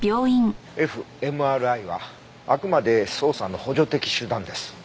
ｆＭＲＩはあくまで捜査の補助的手段です。